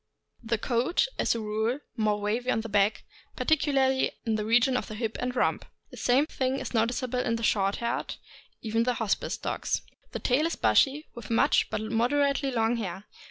The coat is, as a rule, more wavy on the back, particu larly in the region of the hip and rump. The same thing is slightly noticeable in the short haired, even the Hospice dogs. THE ST. BERNARD. 559 The tail is bushy, with much but moderately long hair.